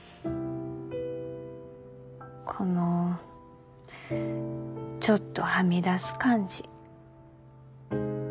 このちょっとはみ出す感じ。